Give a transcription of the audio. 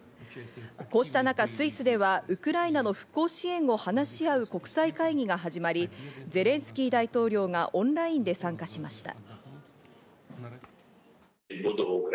こうした中、スイスではウクライナの復興支援を話し合う国際会議が始まり、ゼレンスキー大統領がオンラインで参加しました。